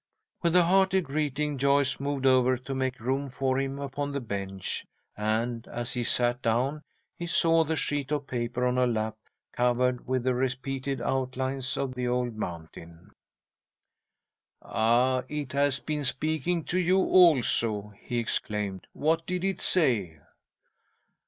With a hearty greeting, Joyce moved over to make room for him upon the bench, and, as he sat down, he saw the sheet of paper on her lap covered with the repeated outlines of the old mountain. "Ah! It has been speaking to you also!" he exclaimed. "What did it say?"